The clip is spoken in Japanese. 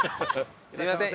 すいません。